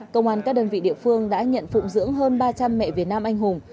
công an các đơn vị địa phương đã nhận phụng dưỡng hơn ba trăm linh mẹ việt nam anh hùng